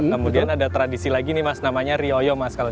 kemudian ada tradisi lagi nih mas namanya rioyo mas kalau